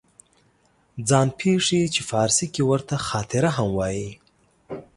ځان پېښې چې فارسي کې ورته خاطره هم وایي